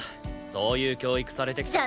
そういう教育されてきた。